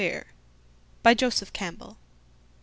1922. By Joseph Campbell 6.